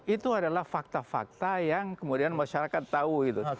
itu adalah fakta fakta yang kemudian masyarakat tahu gitu